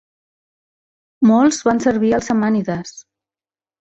Molts van servir als samànides.